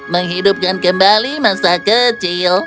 menghidupkan kembali masa kecil